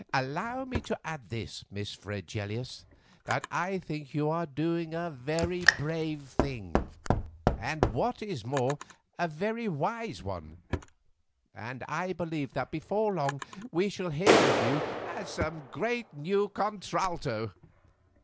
Allow me to add this, Miss Fregelius, that I think you are doing a very brave thing, and, what is more, a very wise one; and I believe that before long we shall hear of you as the great new contralto."